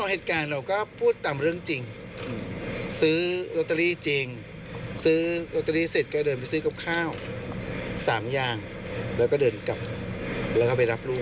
แล้วก็เดินแล้วก็ไปรับร่วม